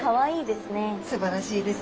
すばらしいですね